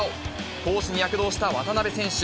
攻守に躍動した渡邊選手。